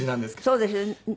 そうですよね。